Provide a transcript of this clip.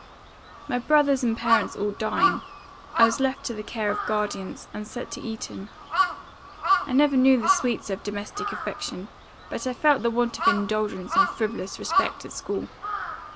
My brothers and parents all dying, I was left to the care of guardians; and sent to Eton. I never knew the sweets of domestic affection, but I felt the want of indulgence and frivolous respect at school.